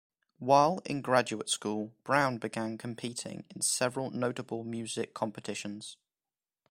While in graduate school, Brown began competing in several notable music competitions.